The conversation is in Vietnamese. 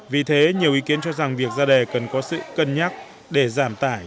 vì thế nhiều ý kiến cho rằng việc ra đề cần có sự cân nhắc để giảm tải